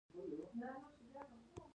په. سفر کې د سنتو حکم